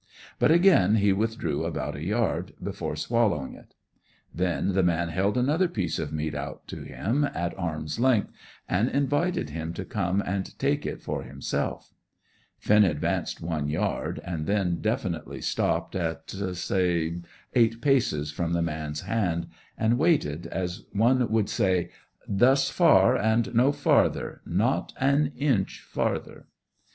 But again he withdrew about a yard, before swallowing it. Then the man held another piece of meat out to him at arm's length, and invited him to come and take it for himself. Finn advanced one yard, and then definitely stopped, at, say, eight paces from the man's hand, and waited, as one who would say: "Thus far, and no farther; not an inch farther!"